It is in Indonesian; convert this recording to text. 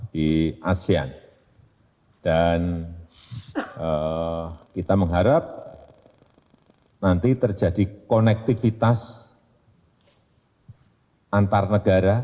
dan kita mengharap nanti terjadi konektivitas antarnegara